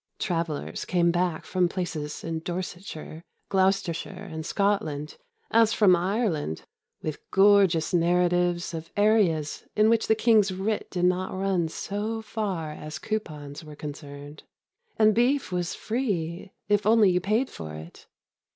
Travellers came back from places in Dorsetshire, Gloucestershire, and Scotland, as from Ireland, with gorgeous narratives of areas in which the King's writ did not run so far as coupons were concerned and beef was free if only you paid for it.